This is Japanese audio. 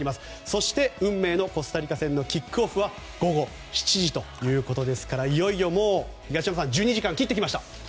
そして、運命のコスタリカ戦のキックオフは午後７時ですからいよいよ、東山さん１２時間切りました。